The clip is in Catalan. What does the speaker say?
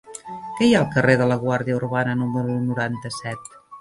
Què hi ha al carrer de la Guàrdia Urbana número noranta-set?